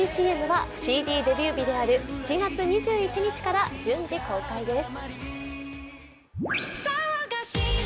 ＣＭはＣＤデビュー日である７月２１日から順次公開です。